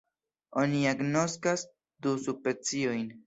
Oni agnoskas du subspeciojn.